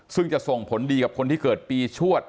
ซึ่งจะส่งผลดีกับคนที่เกิดปีชวด